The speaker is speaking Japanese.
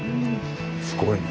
すごいね。